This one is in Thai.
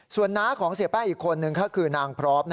ส่วนน้าของเสียแป้งอีกคนนึงก็คือนางพร้อม